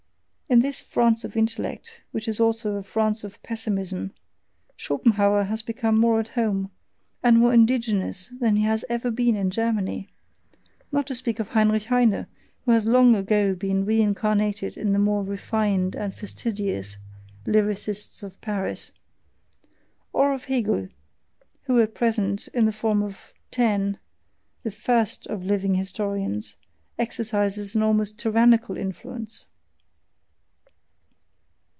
In this France of intellect, which is also a France of pessimism, Schopenhauer has perhaps become more at home, and more indigenous than he has ever been in Germany; not to speak of Heinrich Heine, who has long ago been re incarnated in the more refined and fastidious lyrists of Paris; or of Hegel, who at present, in the form of Taine the FIRST of living historians exercises an almost tyrannical influence.